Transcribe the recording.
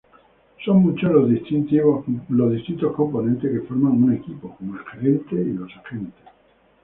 Son muchos los distintos componentes que forman un equipo como el gerente y agentes.